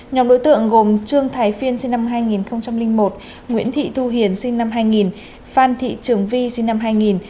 nhóm đối tượng gồm trương thái phiên sinh năm hai nghìn một nguyễn thị thu hiền sinh năm hai nghìn phan thị trường vi sinh năm hai nghìn